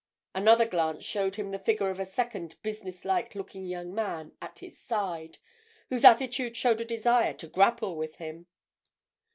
Another glance showed him the figure of a second business like looking young man at his side, whose attitude showed a desire to grapple with him.